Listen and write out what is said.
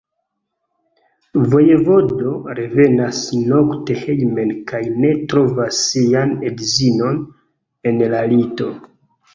Vojevodo revenas nokte hejmen kaj ne trovas sian edzinon en la lito.